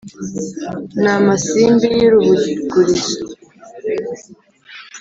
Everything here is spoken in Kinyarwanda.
Ni amasimbi y'urubugurizo,